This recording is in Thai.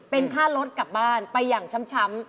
เป็นค่ารถกลับบ้านไปอย่างช้ำ